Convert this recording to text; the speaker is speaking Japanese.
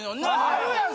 あるやん！